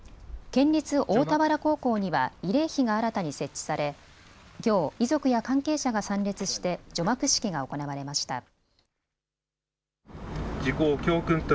県立大田原高校には慰霊碑が新たに設置されきょう遺族や関係者が参列して除幕式が行われました。